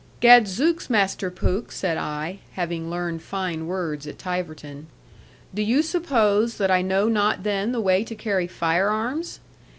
'Gadzooks, Master Pooke,' said I, having learned fine words at Tiverton; 'do you suppose that I know not then the way to carry firearms?